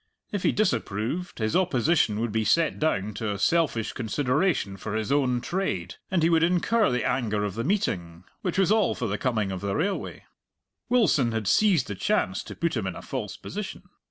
If he disapproved, his opposition would be set down to a selfish consideration for his own trade, and he would incur the anger of the meeting, which was all for the coming of the railway, Wilson had seized the chance to put him in a false position.